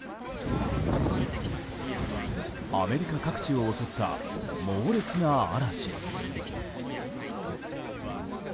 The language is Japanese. アメリカ各地を襲った猛烈な嵐。